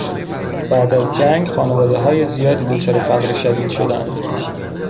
بعد از جنگ خانوادههای زیادی دچار فقر شدید شدند.